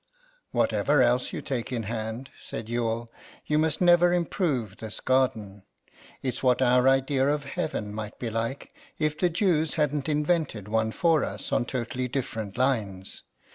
"Whatever else you take in hand," said Youghal, "you must never improve this garden. It's what our idea of Heaven might be like if the Jews hadn't invented one for us on totally different lines.